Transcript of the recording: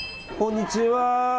こんにちは。